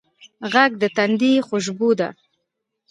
غږ د تندي خوشبو ده